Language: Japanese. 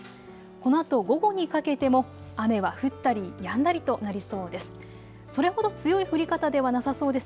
このあと午後にかけても、雨は降ったりやんだりとなりそうです。